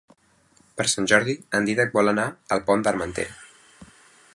Per Sant Jordi en Dídac vol anar al Pont d'Armentera.